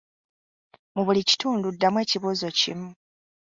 Mu buli kitundu ddamu ekibuuzo kimu